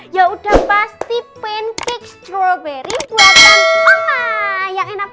iya kan rena